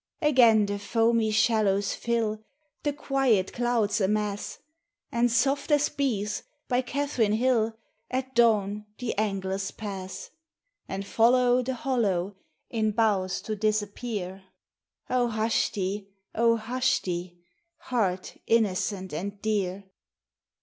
Again the foamy shallows fill, The quiet clouds amass, And soft as bees, by Catherine Hill At dawn the anglers pass, And follow the hollow, In boughs to disappear. O hush thee, O hush thee! heart innocent and dear.